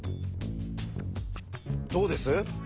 どうです？